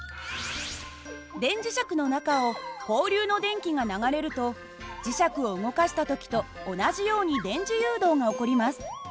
電磁石の中を交流の電気が流れると磁石を動かした時と同じように電磁誘導が起こります。